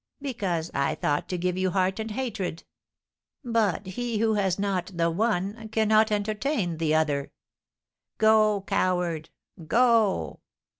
"Because I thought to give you heart and hatred; but he who has not the one cannot entertain the other. Go, coward, go!"